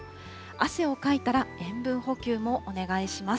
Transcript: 汗をかいたら塩分補給もお願いします。